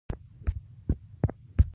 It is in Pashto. طبیعت له دغو ریګ دښتو جوړ دی.